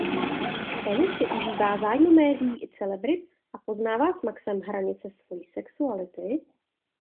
Penny si užívá zájmu médií i celebrit a poznává s Maxem hranice svojí sexuality.